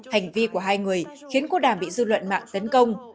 hành vi của hai người khiến cô đàm bị dư luận mạng tấn công